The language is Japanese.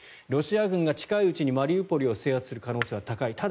ロシア軍が近いうちにマリウポリを制圧する可能性は高い。